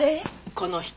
この人。